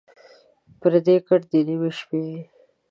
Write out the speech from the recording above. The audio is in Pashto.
پردی کټ دَ نیمې شپې وي